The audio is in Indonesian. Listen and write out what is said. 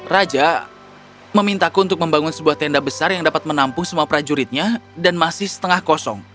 raja memintaku untuk membangun sebuah tenda besar yang dapat menampung semua prajuritnya dan masih setengah kosong